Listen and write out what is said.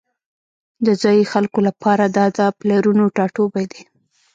د ځایی خلکو لپاره دا د پلرونو ټاټوبی دی